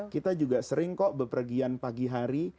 kita juga sering kok bepergian pagi hari